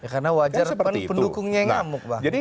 karena wajar kan pendukungnya yang ngamuk